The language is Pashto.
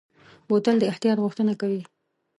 بوتل د احتیاط غوښتنه کوي.